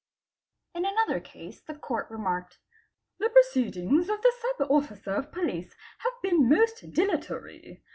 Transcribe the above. In another case the Court remarked :—' The proceedings of the Sub Officer of Police have been most dilatory.